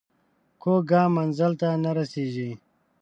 کوږ ګام منزل ته نه رسېږي